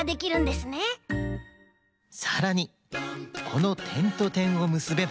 さらにこのてんとてんをむすべば。